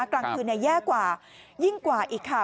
กลางคืนแย่กว่ายิ่งกว่าอีกค่ะ